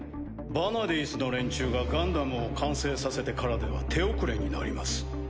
ヴァナディースの連中がガンダムを完成させてからでは手遅れになります。